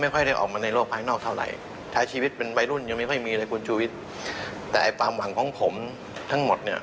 เพราะน้องเมียเนี่ยกับโรคภายนอกเนี่ย